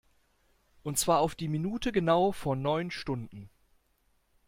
Und zwar auf die Minute genau vor neun Stunden.